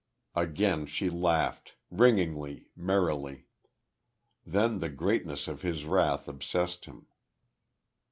Again she laughed, ringingly, merrily. Then the greatness of his wrath obsessed him.